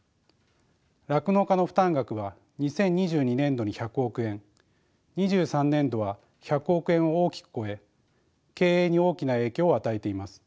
酪農家の負担額は２０２２年度に１００億円２３年度は１００億円を大きく超え経営に大きな影響を与えています。